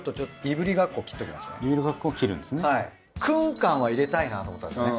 燻感は入れたいなと思ったんですね。